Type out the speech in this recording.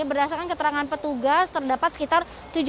berdasarkan keterangan petugas terdapat sekitar